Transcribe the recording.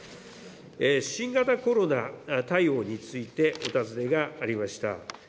新型コロナ対応についてお尋ねがありました。